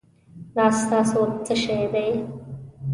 دا ستاسو څه شی دی؟